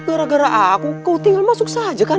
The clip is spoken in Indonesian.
gara gara aku kau tinggal masuk saja kan